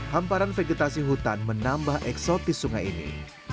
hamparan vegetasi hutan menambah eksotis sungai ini